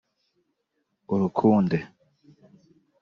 urukunde